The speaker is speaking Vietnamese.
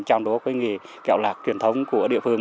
trong đó cái nghề kẹo lạc truyền thống của địa phương